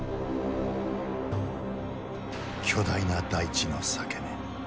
巨大な大地の裂け目。